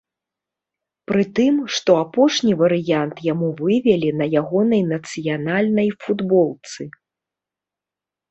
Прытым, што апошні варыянт яму вывелі на ягонай нацыянальнай футболцы.